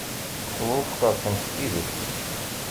Wufqeɣ-kem s tidet.